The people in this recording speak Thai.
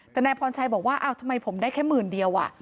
แต่นายพรชัยบอกว่าอ้าวทำไมผมได้แค่หมื่นเดียว